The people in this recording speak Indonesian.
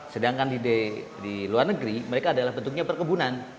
sedangkan di luar negeri mereka adalah bentuknya perkebunan